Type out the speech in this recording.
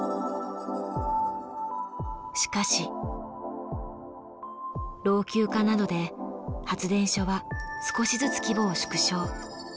しかし老朽化などで発電所は少しずつ規模を縮小。